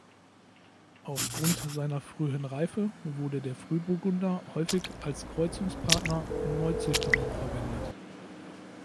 Aufgrund seiner frühen Reife wurde der Frühburgunder häufig als Kreuzungspartner von Neuzüchtungen verwendet.